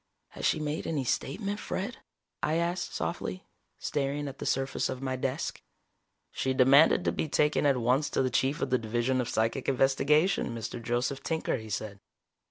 "Has she made any statement, Fred?" I asked softly, staring at the surface of my desk. "She demanded to be taken at once to the Chief of the Division of Psychic Investigation, Mr. Joseph Tinker," he said.